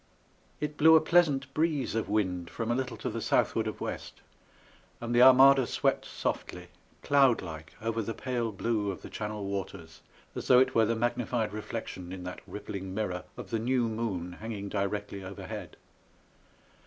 It blew a pleasant breeze of wind from a little to the southward of west, and the Armada swept softly, cloud like over the pale blue of the Channel waters as though it were the magnified reflection in that rippling mirror of the new moon hanging directly overhead.